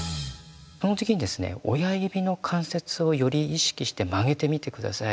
その時にですね親指の関節をより意識して曲げてみて下さい。